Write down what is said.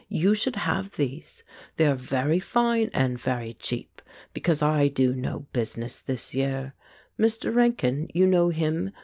You should have these ; they are very fine and very cheap, because I do no business this year. Mr. Rankin, you know him?